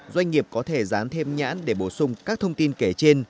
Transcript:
doanh nghiệp có thể dán thêm nhãn để bổ sung các thông tin kể trên